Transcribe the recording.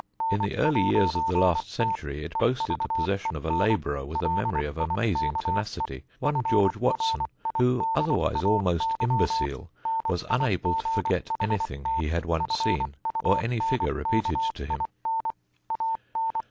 In the early years of the last century it boasted the possession of a labourer with a memory of amazing tenacity, one George Watson, who, otherwise almost imbecile, was unable to forget anything he had once seen, or any figure repeated to him.